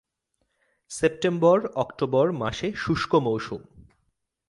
সেপ্টেম্বর-অক্টোবর মাসে শুষ্ক মৌসুম।